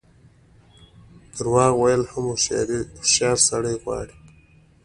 درواغ ویل هم هوښیار سړی غواړي.